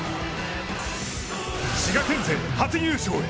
滋賀県勢初優勝へ。